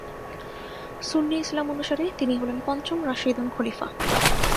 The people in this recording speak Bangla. সুন্নি ইসলাম অনুসারে তিনি হলেন পঞ্চম রাশিদুন খলিফা।